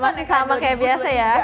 masih sama kayak biasa ya